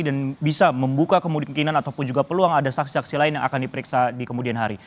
dan bisa membuka kemungkinan ataupun juga peluang ada saksi saksi lain yang akan diperiksa di kemudian hari